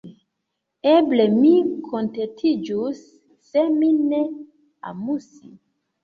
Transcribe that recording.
Eble mi kontentiĝus se mi ne amus.